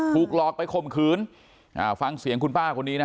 ถูกหลอกไปข่มขืนอ่าฟังเสียงคุณป้าคนนี้นะฮะ